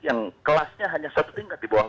yang kelasnya hanya satu tingkat di bawah